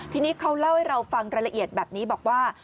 ทีนี้เขาเล่าให้เราฟังรายละเอียดแบบนี้บอกว่า